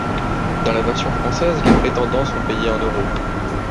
Dans la version française les prétendants sont payés en euros.